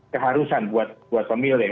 keharusan buat pemilih